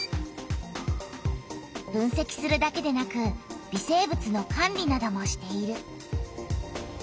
分せきするだけでなく微生物の管理などもしている。